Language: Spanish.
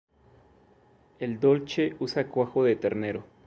El "Dolce" usa cuajo de ternero.